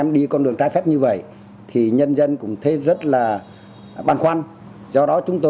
di cư chế phép của một số đối tượng